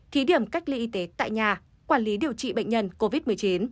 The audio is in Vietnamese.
thí điểm cách ly y tế tại nhà quản lý điều trị bệnh nhân covid một mươi chín